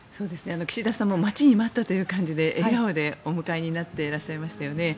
岸田さんも待ちに待ったという感じで笑顔でお迎えになっていらっしゃいましたよね。